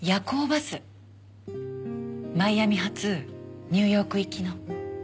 マイアミ発ニューヨーク行きの。